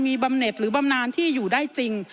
มีบำเน็ตหรือบำนานที่อยู่ได้จริง